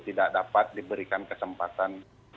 tidak dapat diberikan kesempatan